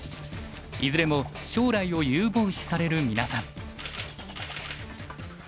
いずれも将来を有望視される皆さん。